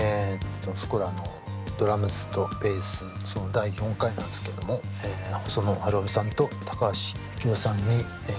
「スコラ」のドラムズとベースその第４回なんですけども細野晴臣さんと高橋幸宏さんに来て頂いてですね